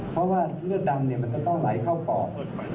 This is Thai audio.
เพราะว่าเลือดดำมันจะต้องไหลเข้าปอก